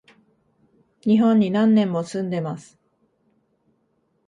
日本に何年も住んでます